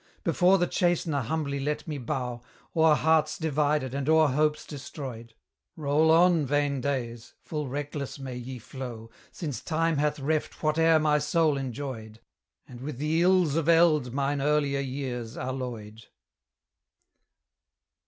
Before the Chastener humbly let me bow, O'er hearts divided and o'er hopes destroyed: Roll on, vain days! full reckless may ye flow, Since Time hath reft whate'er my soul enjoyed, And with the ills of eld mine earlier years alloyed.